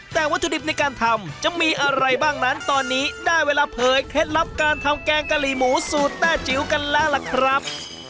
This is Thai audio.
แต่วัตถุดิบในการทำจะมีอะไรบ้างนั้นตอนนี้ได้เวลาเผยเคล็ดลับการทำแกงกะหรี่หมูสูตรแต้จิ๋วกันแล้วล่ะครับ